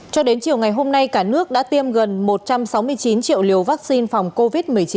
cho đến chiều ngày hôm nay cả nước đã tiêm gần một trăm sáu mươi chín triệu liều vaccine phòng covid một mươi chín